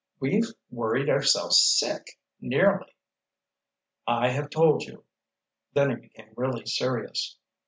We've worried ourselves sick, nearly." "I have told you." Then he became really serious.